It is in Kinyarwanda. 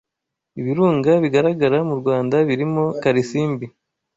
Ibirunga bigaragara mu Rwanda birimo Karisimbi